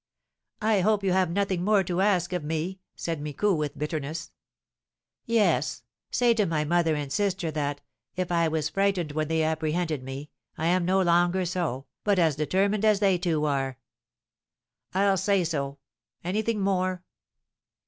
"I hope you have nothing more to ask of me?" said Micou, with bitterness. "Yes; say to my mother and sister that, if I was frightened when they apprehended me, I am no longer so, but as determined as they two are." "I'll say so. Anything more?"